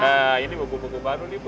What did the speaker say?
nah ini buku buku baru nih bu